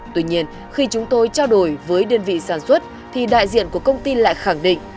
tuy nhiên khi chúng tôi trao đổi với đơn vị sản xuất thì đại diện của công ty lại khẳng định